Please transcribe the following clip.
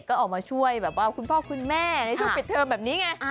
แกก๋อยมาช่วยแบบคุณพ่อคุณแม่เขาปิดเทอมแบบนี้ไง